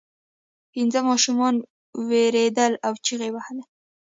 پنځه ماشومان ویرېدل او چیغې یې وهلې.